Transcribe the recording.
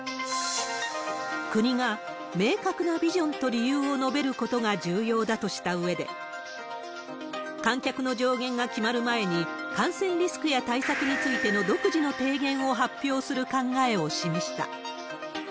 国が明確なビジョンと理由を述べることが重要だとしたうえで、観客の上限が決まる前に、感染リスクや対策についての独自の提言を発表する考えを示した。